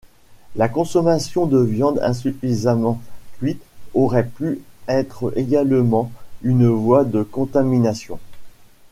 La consommation de viande insuffisamment cuite aurait pu être également une voie de contamination.